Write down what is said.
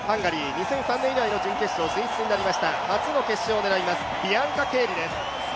２００３年以来の準決勝進出となりました、初の決勝を狙います、ビアンカ・ケーリです。